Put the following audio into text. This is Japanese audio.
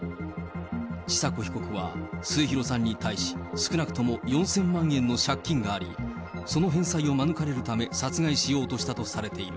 千佐子被告は末広さんに対し、少なくとも４０００万円の借金があり、その返済を免れるため、殺害しようとしたとされている。